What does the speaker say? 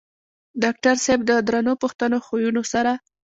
ډاکټر صېب د درنو پښتنو خويونو سره